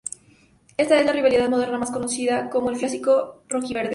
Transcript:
Esta es una rivalidad moderna, más conocida como el clásico rojiverde.